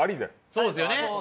そうですよね。